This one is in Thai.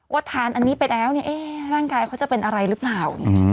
ทานอันนี้ไปแล้วเนี่ยร่างกายเขาจะเป็นอะไรหรือเปล่า